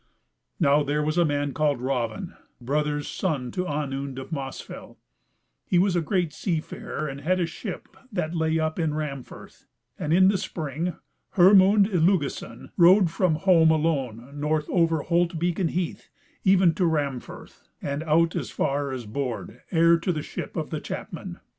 Now there was a man called Raven, brother's son to Onund of Mossfell; he was a great sea farer, and had a ship that lay up in Ramfirth: and in the spring Hermund Illugison rode from home alone north over Holt beacon Heath, even to Ramfirth, and out as far as Board ere to the ship of the chapmen.